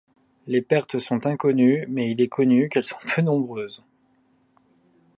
Les pertes sont inconnues, mais il est connu qu'elles sont peu nombreuses.